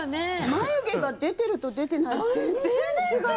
眉毛が出てると出てないは全然違う！